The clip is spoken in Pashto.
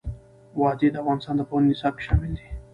وادي د افغانستان د پوهنې نصاب کې شامل دي.